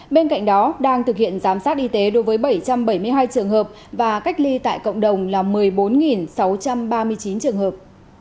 bên cạnh đó đang thực hiện giám sát y tế đối với bảy trăm bảy mươi hai trường hợp và cách ly tại cộng đồng là một mươi bốn sáu trăm ba mươi chín trường hợp